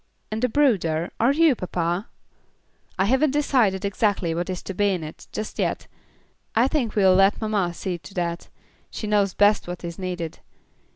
and a brooder? Are you, papa?" "I haven't decided exactly what is to be in it, just yet. I think we'll let mamma see to that she knows best what is needed.